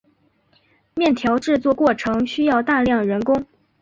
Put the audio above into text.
面条制作过程需要大量人工。